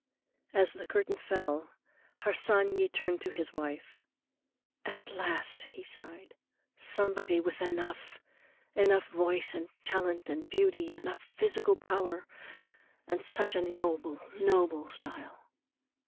As the curtain fell, Harsanyi turned to his wife. "At last," he sighed, "somebody with Enough! Enough voice and talent and beauty, enough physical power. And such a noble, noble style!"